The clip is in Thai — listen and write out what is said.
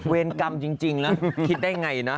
เวรกรรมจริงแล้วคิดได้ไงนะ